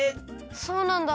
そうなんだ。